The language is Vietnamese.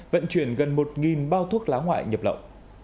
vận chuyển gần một bao thuốc lá ngoại nhập lậu